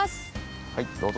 はいどうぞ。